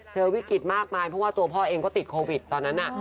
เจอวิกฤตมากมายเพราะว่าตัวพ่อเองก็ติดโควิดตอนนั้น